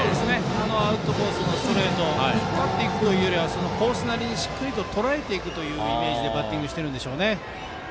アウトコースのストレート引っ張っていくというよりはコースなりにしっかりとらえていくイメージでバッティングしてるんでしょうね。